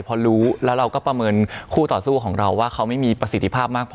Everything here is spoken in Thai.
พอรู้แล้วเราก็ประเมินคู่ต่อสู้ของเราว่าเขาไม่มีประสิทธิภาพมากพอ